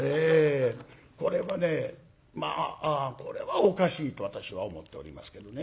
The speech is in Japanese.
これはねまあこれはおかしいと私は思っておりますけどね。